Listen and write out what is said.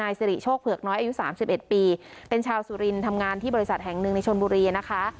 นายสิริโชคเผือกน้อยอายุสามสิบเอ็ดปีเป็นชาวสุรินต์ทำงานที่บริษัทแห่งนึงในชนบุรีนะคะ